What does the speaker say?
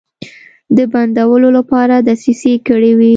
د بندولو لپاره دسیسې کړې وې.